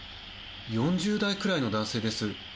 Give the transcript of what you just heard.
４０代くらいの男性です。